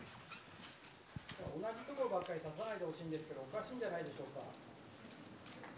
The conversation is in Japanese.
同じ人ばっかりささないでほしいんですけどおかしいんじゃないでしょうか。